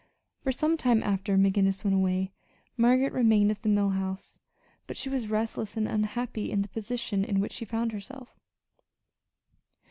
For some time after McGinnis went away, Margaret remained at the Mill House; but she was restless and unhappy in the position in which she found herself.